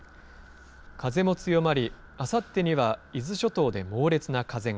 風も強まり、あさってには伊豆諸島で猛烈な風が。